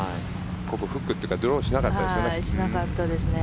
ここ、フックというかドローしなかったですよね。